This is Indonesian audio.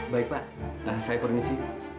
baik pak saya permisi